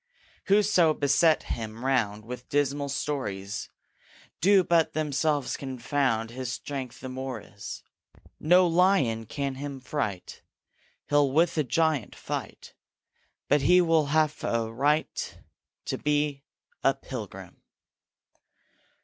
Whoso beset him round With dismal stories, Do but themselves confound; His strength the more is. No lion can him fright; He'll with a giant fight; But he will have a right To be a Pilgrim.